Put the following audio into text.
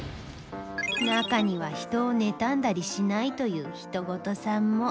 中には人を妬んだりしないというヒトゴトさんも。